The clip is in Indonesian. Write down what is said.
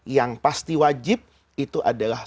yang pasti wajib itu adalah